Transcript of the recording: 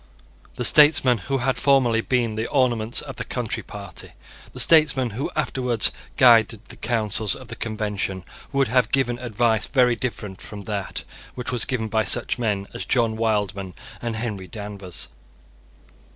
The statesmen who had formerly been the ornaments of the Country Party, the statesmen who afterwards guided the councils of the Convention, would have given advice very different from that which was given by such men as John Wildman and Henry Danvers.